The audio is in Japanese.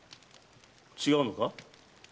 違うのか？